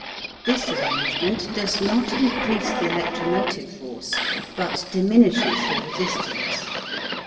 This arrangement does not increase the electromotive force, but diminishes the resistance.